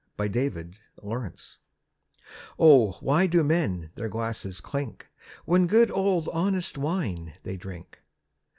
THE FIVE SENSES Oh, why do men their glasses clink When good old honest wine they drink?